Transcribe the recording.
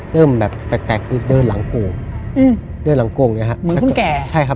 เริ่มแบบแปลกนะคะ